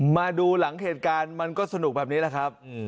มาดูหลังเหตุการณ์มันก็สนุกแบบนี้แหละครับ